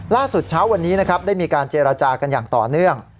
ล่าสุดเช้าวันนี้ได้มีการเจรจากันอย่างต่อเนื่อง